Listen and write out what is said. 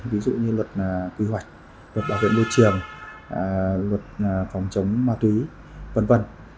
ví dụ như luật quy hoạch luật bảo vệ môi trường luật phòng chống ma túy v v